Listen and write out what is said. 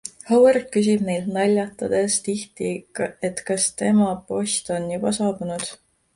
Howard küsib neilt naljatledes tihti, et kas tema post on juba saabunud.